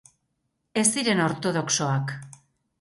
Ez ziren ortodoxoak.